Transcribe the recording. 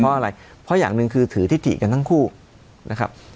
เพราะอะไรเพราะอย่างหนึ่งคือถือทิติกันทั้งคู่นะครับ